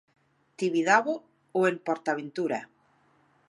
Tibidabo o en Port Aventura.